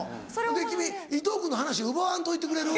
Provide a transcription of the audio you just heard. で君伊藤君の話奪わんといてくれる？